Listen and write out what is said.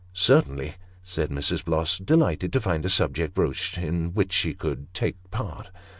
" Certainly," said Mrs. Bloss, delighted to find a subject broached in which she could take part.